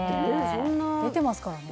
そんな出てますからね